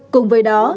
cùng với đó